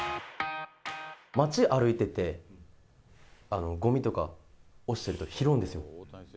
街歩いてて、ごみとか落ちてると拾うんですよ。